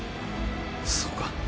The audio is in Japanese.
そうか。